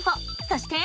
そして。